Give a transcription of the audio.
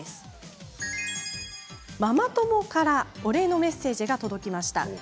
ママ友から、お礼のメッセージが届きました。